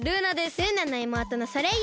ルーナのいもうとのソレイユです。